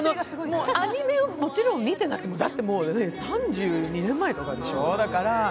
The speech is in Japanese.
アニメをもちろん見てなくても、だって３０年以上前でしょう？